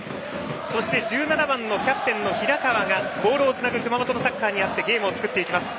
そして１７番キャプテンの平川がボールをつなぐ熊本のサッカーにあってゲームを作っていきます。